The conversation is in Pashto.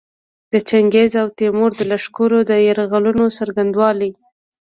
د چنګیز او تیمور د لښکرو د یرغلونو څرنګوالي.